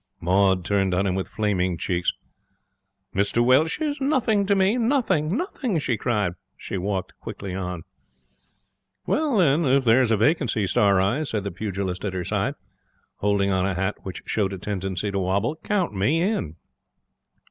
Maud turned on him with flaming cheeks. 'Mr Welsh is nothing to me! Nothing! Nothing!' she cried. She walked quickly on. 'Then, if there's a vacancy, star eyes,' said the pugilist at her side, holding on a hat which showed a tendency to wobble, 'count me in.